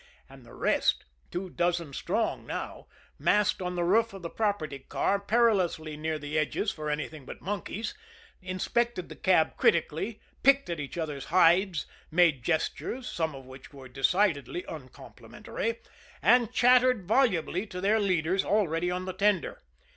And the rest, two dozen strong now, massed on the roof of the property car, perilously near the edges for anything but monkeys, inspected the cab critically, picked at each other's hides, made gestures, some of which were decidedly uncomplimentary, and chattered volubly to their leaders already on the tender.